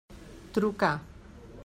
Trucà.